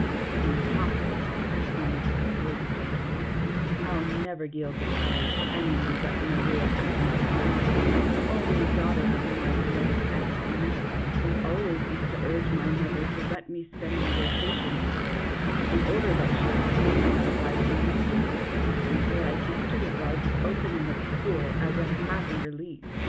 " Impossible," responded that worthy gentleman ;" I '11 never yield the prize to any one but Maria Agnes Palmer, only daughter of my beloved Aunt Mary, who always used to urge my mother to let me spend my vacations with her, in order that she might make my life miserable, until I came to re gard the opening of school as a happy release.